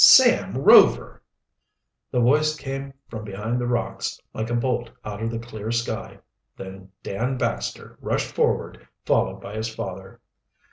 "Sam Rover!" The voice came from behind the rocks, like a bolt out of the clear sky. Then Dan Baxter rushed forward, followed by his father.